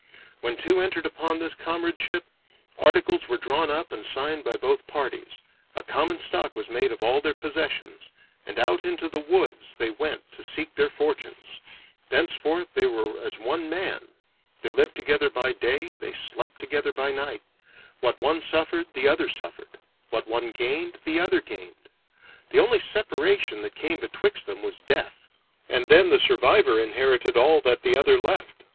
When two entered upon this comradeship, articles were drawn up and signed by both parties, a common stock was made of all their possessions, and out into the woods they went to seek their fortunes; thenceforth they were as one man; they lived together by day, they slept together by night; what one suffered, the other suffered; what one gained, the other gained. The only separation that came betwixt them was death, and then the survivor inherited all that the other left.